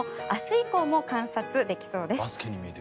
以降も観察できそうです。